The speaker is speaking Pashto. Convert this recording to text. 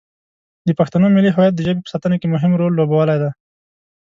د پښتنو ملي هویت د ژبې په ساتنه کې مهم رول لوبولی دی.